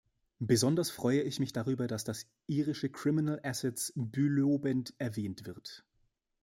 Besonders freue ich mich darüber, dass das irische Criminal Assets Bülobend erwähnt wird.